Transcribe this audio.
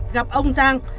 gặp ông giang